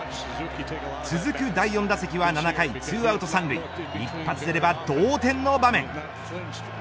続く第４打席は７回２アウト３塁一発出れば同点の場面。